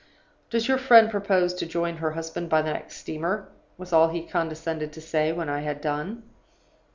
"'Does your friend propose to join her husband by the next steamer?' was all he condescended to say, when I had done.